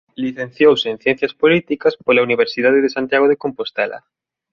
Licenciouse en ciencias políticas pola Universidade de Santiago de Compostela.